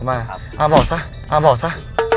อะบอกซะ